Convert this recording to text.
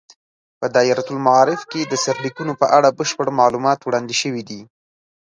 په دایرة المعارف کې د سرلیکونو په اړه بشپړ معلومات وړاندې شوي دي.